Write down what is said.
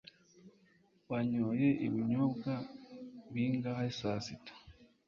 Wanyoye ibinyobwa bingahe saa sita?